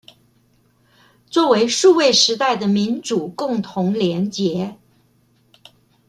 作為數位時代的民主共同連結